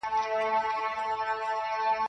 ما یي کمرونو کي لعلونه غوښتل.!